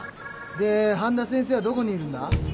で半田先生はどこにいるんだ？